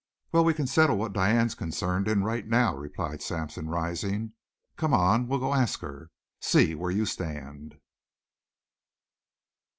"Well, we can settle what Diane's concerned in right now," replied Sampson, rising. "Come on; we'll go ask her. See where you stand."